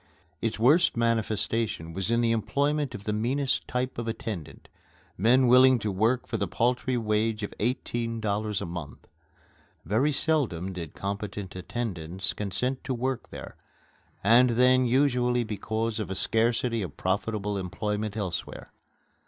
Its worst manifestation was in the employment of the meanest type of attendant men willing to work for the paltry wage of eighteen dollars a month. Very seldom did competent attendants consent to work there, and then usually because of a scarcity of profitable employment elsewhere.